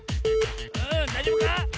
うんだいじょうぶか？